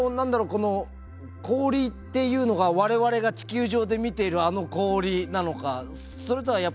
この氷っていうのが我々が地球上で見ているあの氷なのかそれとはやっぱ違うのかしら？